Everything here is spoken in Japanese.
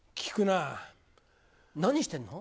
何してんの？